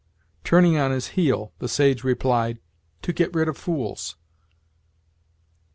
Turning on his heel, the sage replied, "To get rid of fools."'"